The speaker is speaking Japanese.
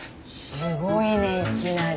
すごいねいきなり。